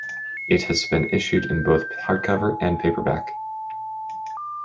It has been issued in both hardcover and paperback.